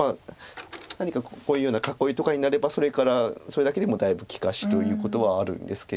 何かこういうような囲いとかになればそれからそれだけでもだいぶ利かしということはあるんですけれど。